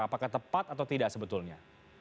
apakah tepat atau tidak sebetulnya